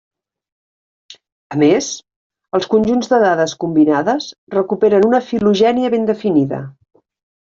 A més, els conjunts de dades combinades recuperen una filogènia ben definida.